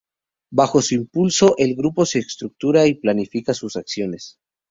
Bajo su impulso, el grupo se estructura y planifica sus acciones.